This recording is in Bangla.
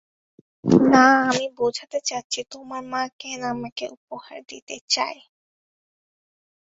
না, আমি বোঝাতে চাচ্ছি তোমার মা কেন আমাকে উপহার দিতে চায়?